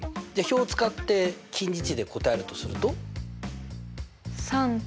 表を使って近似値で答えるとすると？